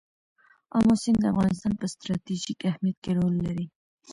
آمو سیند د افغانستان په ستراتیژیک اهمیت کې رول لري.